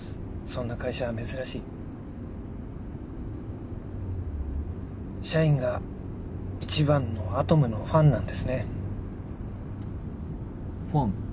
そんな会社は珍しい社員が一番のアトムのファンなんですねファン？